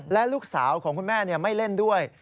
และลูกสาวของคุณแม่ไม่เล่นด้วย